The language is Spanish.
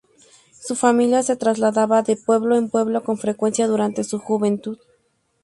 Su familia se trasladaba de pueblo en pueblo con frecuencia durante su juventud.